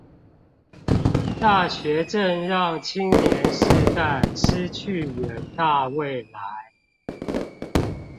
大學正讓青年世代失去遠大未來